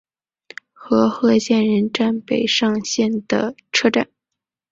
和贺仙人站北上线的车站。